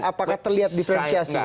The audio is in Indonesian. apakah terlihat difrensiasi